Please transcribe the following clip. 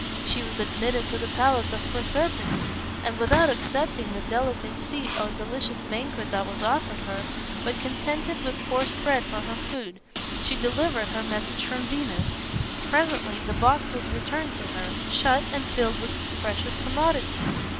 She was admitted to the palace of Proserpine, and without accepting the delicate seat or delicious banquet that was offered her, but contented with coarse bread for her food, she delivered her message from Venus. Presently the box was returned to her, shut and filled with the precious commodity.